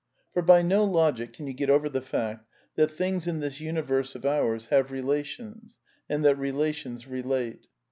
■ For by no logic can you get over the fact that things in this universe of ours have relations and that relations relate.